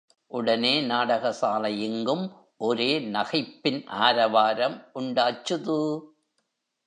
உடனே நாடகசாலையெங்கும் ஒரே நகைப்பின் ஆரவாரம் உண்டாச்சுது!